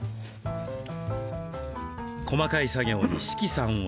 細かい作業に志岐さんは。